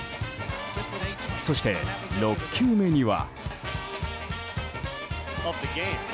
そして６球目には。